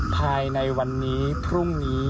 ภายในวันนี้พรุ่งนี้